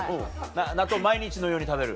納豆毎日のように食べる？